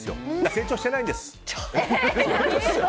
成長してないんです。